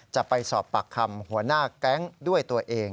จะไปสอบปากคำหัวหน้าแก๊งด้วยตัวเอง